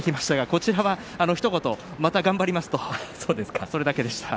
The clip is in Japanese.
こちらは、ひと言また頑張りますとそれだけでした。